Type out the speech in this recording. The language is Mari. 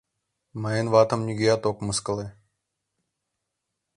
Мыйын ватым нигӧат ок мыскыле!